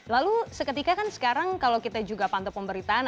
lalu seketika kan sekarang kalau kita juga pantau pemberitaan